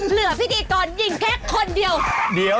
เหลือพี่ดีก่อนยิ่งแค่คนเดียว